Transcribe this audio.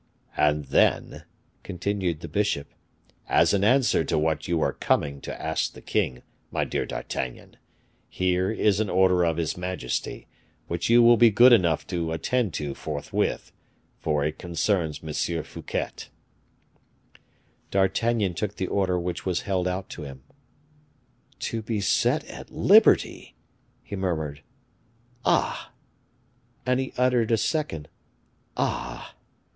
"And then," continued the bishop, "as an answer to what you were coming to ask the king, my dear D'Artagnan, here is an order of his majesty, which you will be good enough to attend to forthwith, for it concerns M. Fouquet." D'Artagnan took the order which was held out to him. "To be set at liberty!" he murmured. "Ah!" and he uttered a second "ah!"